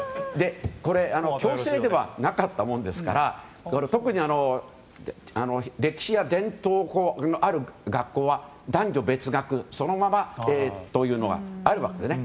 強制ではなかったものですから特に歴史や伝統のある学校は男女別学そのままというのがあるわけですね。